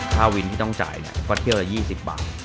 ค่าวินที่ต้องจ่ายก็เที่ยวละ๒๐บาท